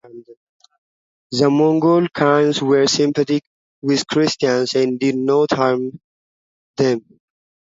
The Mongol khans were sympathetic with Christians and did not harm them.